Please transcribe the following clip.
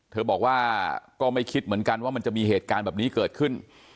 บอกว่าก็ไม่คิดเหมือนกันว่ามันจะมีเหตุการณ์แบบนี้เกิดขึ้น